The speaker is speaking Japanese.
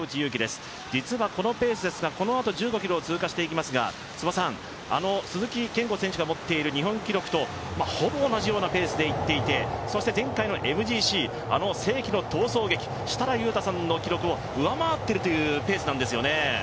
実はこのペースですが、このあと１５ｋｍを通過していきますが実は、鈴木健吾の記録とほぼ同じようなペ−スでいっていて、前回のＭＧＣ、あの世紀の逃走劇、設楽悠太さんの記録を上回っているというペースなんですよね。